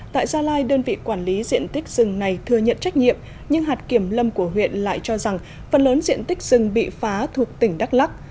tại gia lai đơn vị quản lý diện tích rừng này thừa nhận trách nhiệm nhưng hạt kiểm lâm của huyện lại cho rằng phần lớn diện tích rừng bị phá thuộc tỉnh đắk lắc